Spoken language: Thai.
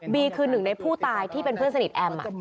คือหนึ่งในผู้ตายที่เป็นเพื่อนสนิทแอม